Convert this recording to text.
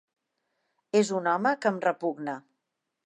És un home que em repugna.